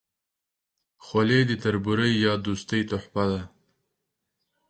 خولۍ د تربورۍ یا دوستۍ تحفه هم وي.